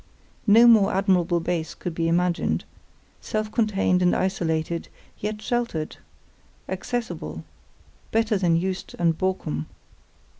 No more admirable base could be imagined; self contained and isolated, yet sheltered, accessible—better than Juist and Borkum.